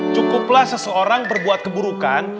cukuplah seseorang berbuat keburukan